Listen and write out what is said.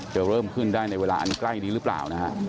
จะเริ่มขึ้นได้ในเวลาอันใกล้นี้หรือเปล่านะฮะ